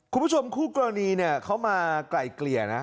คุณผู้ชมคู่กรณีเนี่ยเขามาไกลเกลี่ยนะ